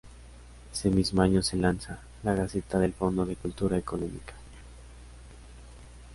Ese mismo año se lanza "La Gaceta del Fondo de Cultura Económica".